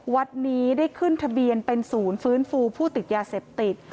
วัดนี้ได้ขึ้นทะเบียนเป็นศูนย์ฟื้นฟูผู้ติดยาเสพติด